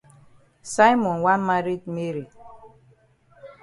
Simon wan maret Mary.